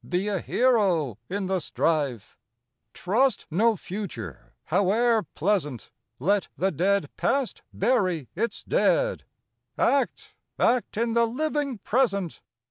Be a hero in the strife ! Trust no Future, howe'er pleasant ! Let the dead Past bury its dead ! Act, — act in the living Present